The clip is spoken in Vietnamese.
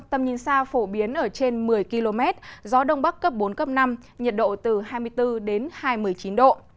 tầm nhìn xa phổ biến ở trên một mươi km gió đông bắc cấp bốn cấp năm nhiệt độ từ hai mươi bốn đến hai mươi chín độ